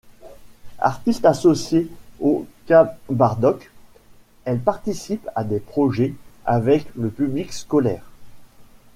Artiste associée au Kabardock, elle participe à des projets avec le public scolaire.